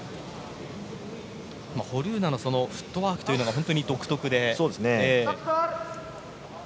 ホルーナのフットワークというのが本当に独特で。